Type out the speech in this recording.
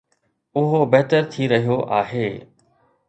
اهو بهتر ٿي رهيو آهي.